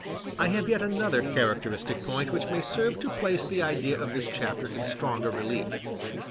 I have yet another characteristic point which may serve to place the idea of this chapter in stronger relief.